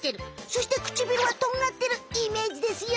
そしてくちびるはトンがってるイメージですよ！